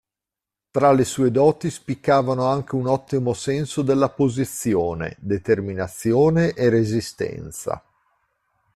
Tra le sue doti spiccavano anche un ottimo senso della posizione, determinazione, e resistenza.